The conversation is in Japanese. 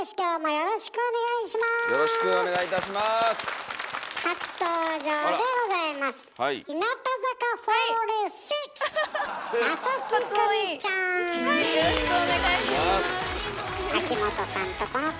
よろしくお願いします。